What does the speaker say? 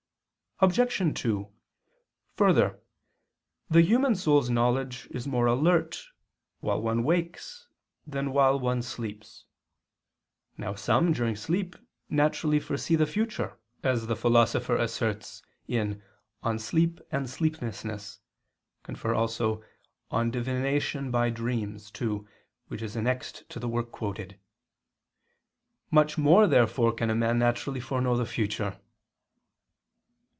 Obj. 2: Further, the human soul's knowledge is more alert while one wakes than while one sleeps. Now some, during sleep, naturally foresee the future, as the Philosopher asserts (De Somn. et Vigil. [*De Divinat. per Somn. ii, which is annexed to the work quoted]). Much more therefore can a man naturally foreknow the future.